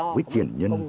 với tiền nhân